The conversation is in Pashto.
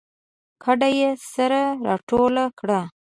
کډه یې سره راټوله کړه